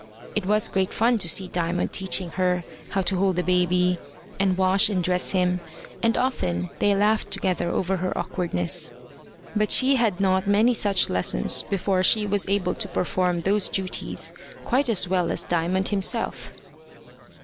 It was great fun to see Diamond teaching her how to hold the baby, and wash and dress him, and often they laughed together over her awkwardness. But she had not many such lessons before she was able to perform those duties quite as well as Diamond himself.